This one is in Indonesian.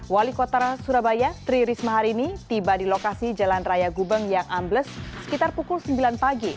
wali kota surabaya tri risma hari ini tiba di lokasi jalan raya gubeng yang ambles sekitar pukul sembilan pagi